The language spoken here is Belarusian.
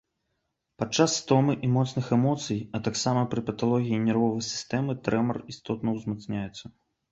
Падчас стомы і моцных эмоцый, а таксама пры паталогіі нервовай сістэмы трэмар істотна ўзмацняецца.